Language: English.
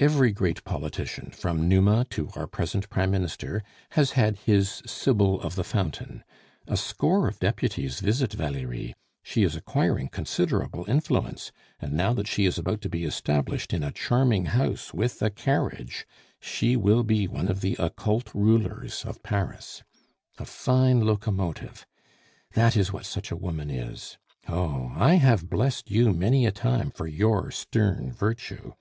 Every great politician, from Numa to our present Prime Minister, has had his Sibyl of the fountain. A score of deputies visit Valerie; she is acquiring considerable influence; and now that she is about to be established in a charming house, with a carriage, she will be one of the occult rulers of Paris. "A fine locomotive! That is what such a woman is. Oh, I have blessed you many a time for your stern virtue."